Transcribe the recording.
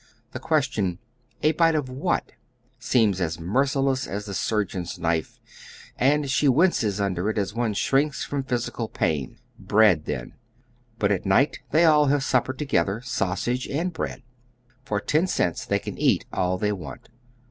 The question : A bite of what ? seems as mer ciless as the surgeon's knife, and she winces under it as one siirinks from physical pain. Bread, then. Eat at night they all have supper together — sausage and bread. For ten cents they can eat all they want.